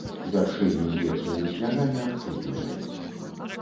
Вяршыні з вечнымі снягамі адсутнічаюць.